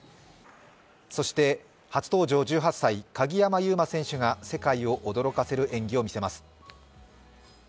そして、初登場１８歳鍵山優真選手が世界を驚かせる演技を見せます。